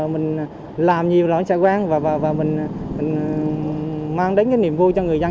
mình làm nhiều là anh sẽ quen và mình mang đến cái niềm vui cho người dân